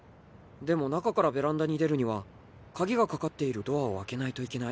でも中からベランダに出るには鍵がかかっているドアを開けないといけない。